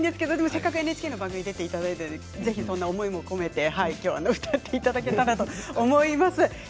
せっかくＮＨＫの番組に出ていますのでそんな思いも込めて歌っていただければと思います。